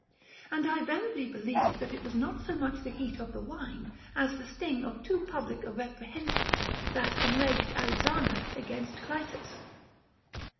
And I ver ily believe that it was not so much the heat of the wine as the sting of too public a reprehension, that enraged Alex ander against Clitus.